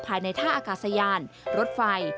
ภายในท่าอากาศยานรถไฟ